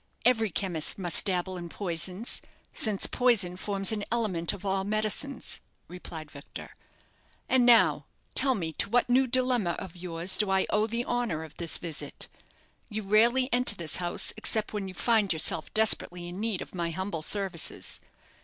"Every chemist must dabble in poisons, since poison forms an element of all medicines," replied Victor. "And now tell me to what new dilemma of yours do I owe the honour of this visit. You rarely enter this house except when you find yourself desperately in need of my humble services.